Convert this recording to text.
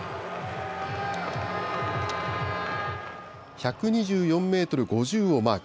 １２４メートル５０をマーク。